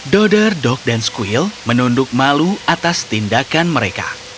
dodar dog dan squill menunduk malu atas tindakan mereka